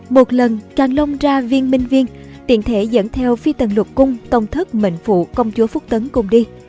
một lần càng long ra viên minh viên tiện thể dẫn theo phi tần lục cung tông thức mệnh phụ công chúa phúc tấn cùng đi